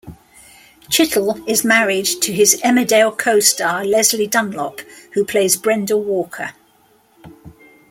Chittell is married to his "Emmerdale" co-star Lesley Dunlop, who plays Brenda Walker.